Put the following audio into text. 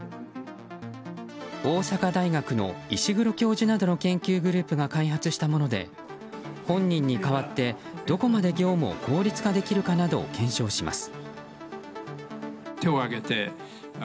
大阪大学の石黒教授などの研究グループが開発したもので本人に代わって、どこまで業務を効率化できるかなどを検証します。